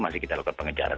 masih kita lakukan pengejaran